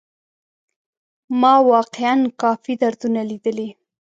ما واقيعا کافي دردونه ليدلي.